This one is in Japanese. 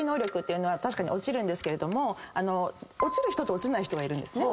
確かに落ちるんですけれども落ちる人と落ちない人がいる。